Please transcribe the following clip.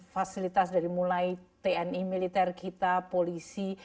fasilitas dari mulai tni militer kita polisi